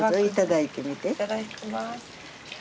いただきます。